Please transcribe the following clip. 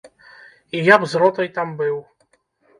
І я б з ротай там быў.